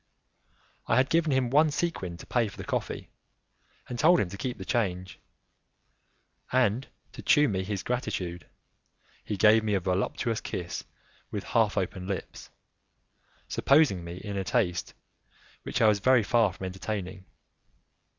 I had given him one sequin to pay for the coffee, and told him to keep the change, and, to shew me his gratitude, he gave me a voluptuous kiss with half open lips, supposing in me a taste which I was very far from entertaining.